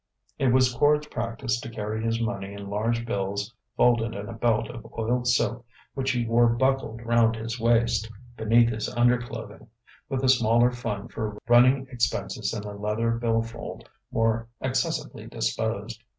It was Quard's practice to carry his money in large bills folded in a belt of oiled silk which he wore buckled round his waist, beneath his underclothing with a smaller fund for running expenses in a leather bill fold more accessibly disposed.